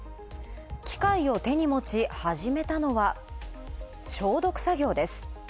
機械を手に持ちはじめたのは消毒作業です。